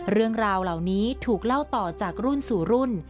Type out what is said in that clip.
เรื่องราวเหล่านี้ถูกเล่าต่อจากรุ่นสู่รุ่น